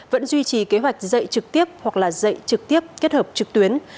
vẫn duy trì kế hoạch dạy trực tiếp hoặc là dạy trực tiếp kết hợp trực tuyến